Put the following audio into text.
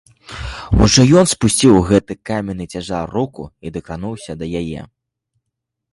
Ужо ён спусціў у гэты каменны цяжар руку і дакрануўся да яе.